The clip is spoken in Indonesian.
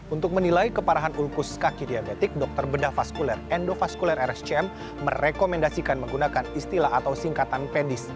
untuk menilai keparahan ulkus kaki diabetik dokter bedah vaskuler endovaskuler rscm merekomendasikan menggunakan istilah atau singkatan pedis